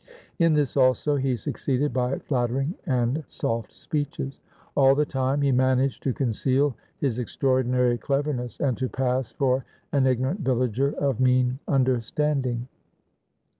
In this also he succeeded by flattering and soft speeches. All the time he managed to conceal his extraordinary cleverness, and to pass for an igno rant villager of mean understanding.